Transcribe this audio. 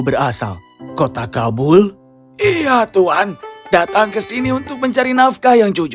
berasal kota kabul iya tuhan datang ke sini untuk mencari nama ibu mini ibu mini tidak akan berhati hati